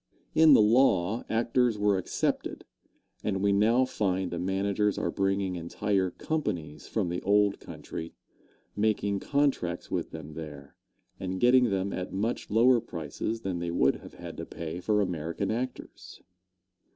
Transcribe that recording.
In the law, actors were excepted, and we now find the managers are bringing entire companies from the old county, making contracts with them there, and getting them at much lower prices than they would have had to pay for American actors.